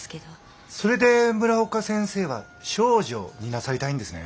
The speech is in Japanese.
それで村岡先生は「少女」になさりたいんですね。